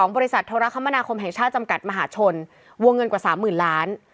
บริษัทโทรคมนาคมแห่งชาติจำกัดมหาชนวงเงินกว่า๓๐๐๐ล้าน